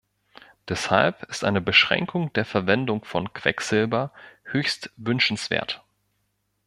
Deshalb ist eine Beschränkung der Verwendung von Quecksilber höchst wünschenswert.